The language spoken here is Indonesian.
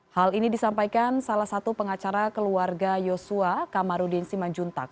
hal ini disampaikan salah satu pengacara keluarga yosua kamarudin simanjuntak